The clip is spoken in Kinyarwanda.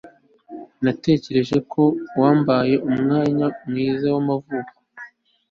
natekereje ko wambaye umwenda mwiza w'amavuko